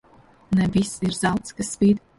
Ne viss ir zelts, kas spīd.